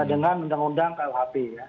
dengan undang undang klhp ya